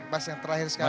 mas yang terakhir sekali